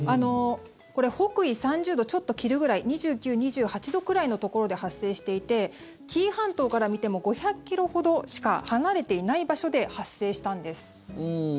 これ北緯３０度ちょっと切るくらい２９、２８度くらいのところで発生していて紀伊半島から見ても５００ｋｍほどしか離れていない場所で発生したんです。